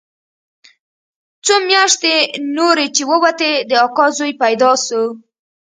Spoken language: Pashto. څو مياشتې نورې چې ووتې د اکا زوى پيدا سو.